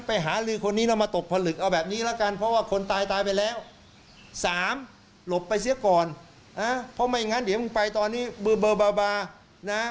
เพราะไม่งั้นเดี๋ยวมึงไปตอนนี้เบอร์เบอร์เบอร์เบอร์